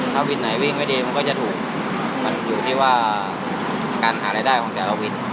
ถ้าวินไหนวิ่งไม่ดีมันก็จะถูกมันอยู่ที่ว่าการหารายได้ของแต่ละวิน